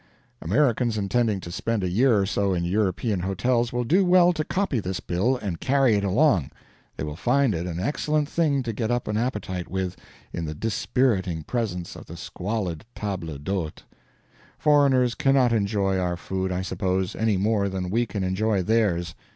Americans intending to spend a year or so in European hotels will do well to copy this bill and carry it along. They will find it an excellent thing to get up an appetite with, in the dispiriting presence of the squalid table d'hôte. Foreigners cannot enjoy our food, I suppose, any more than we can enjoy theirs.